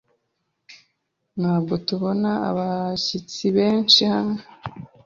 Ntabwo tubona abashyitsi benshi hano.